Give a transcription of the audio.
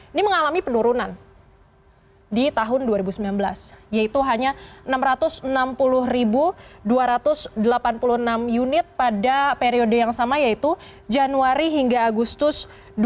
ini mengalami penurunan di tahun dua ribu sembilan belas yaitu hanya enam ratus enam puluh dua ratus delapan puluh enam unit pada periode yang sama yaitu januari hingga agustus dua ribu dua puluh